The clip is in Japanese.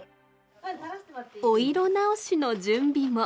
お色直しの準備も。